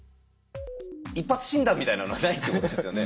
一発診断みたいなのはないってことですよね。